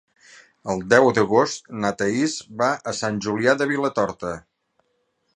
El deu d'agost na Thaís va a Sant Julià de Vilatorta.